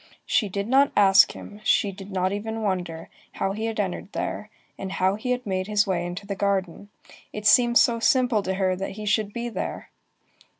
She did not ask him, she did not even wonder, how he had entered there, and how he had made his way into the garden. It seemed so simple to her that he should be there!